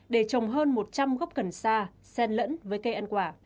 để trồng hơn một trăm linh gốc cần sa sen lẫn với cây ăn quả